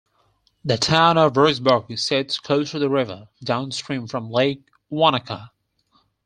The town of Roxburgh sits close to the river, downstream from Lake Wanaka.